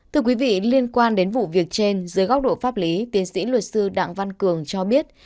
thưa quý vị liên quan đến vụ việc trên dưới góc độ pháp lý tiến sĩ luật sư đặng văn cường cho biết